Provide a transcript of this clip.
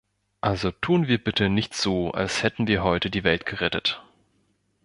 Also tun wir bitte nicht so, als hätten wir heute die Welt gerettet!